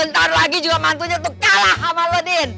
bentar lagi juga mantunya tuh kalah sama lo din